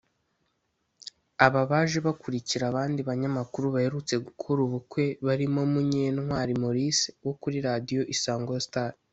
Aba baje bakurikira abandi banyamakuru baherutse gukora ubukwe barimo Munyentwari Maurice wo kuri Radio Isango Star